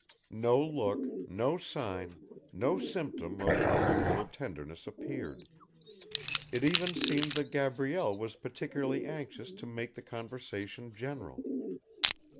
No look, no sign, no symptom of unusual tenderness appeared. It even seemed that Gabrielle was particularly anxious to make the conversation general.